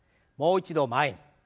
もう一度前に。